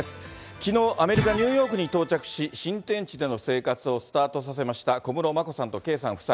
きのう、アメリカ・ニューヨークに到着し、新天地での生活をスタートさせました小室眞子さんと圭さん夫妻。